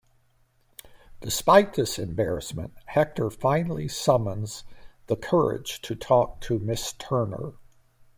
Despite this embarrassment, Hector finally summons the courage to talk to Miss Turner.